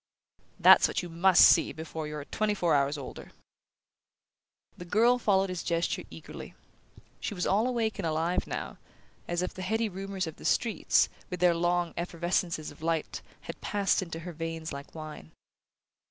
"That's what you must see before you're twenty four hours older!" The girl followed his gesture eagerly. She was all awake and alive now, as if the heady rumours of the streets, with their long effervescences of light, had passed into her veins like wine.